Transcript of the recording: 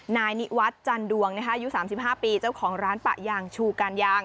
นายนิวัฒน์จันดวงอายุ๓๕ปีเจ้าของร้านปะยางชูการยาง